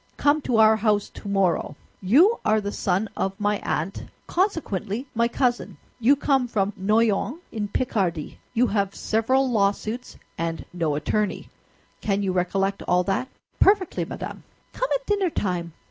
"Come to our house tomorrow. You are the son of my aunt, consequently my cousin; you come from Noyon, in Picardy; you have several lawsuits and no attorney. Can you recollect all that?" "Perfectly, madame." "Come at dinnertime."